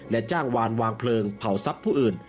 และจ้างวานวางเพลิงเผาทรัพย์ผู้อื่น